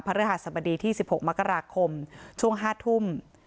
ฤหัสบดีที่๑๖มกราคมช่วง๕ทุ่ม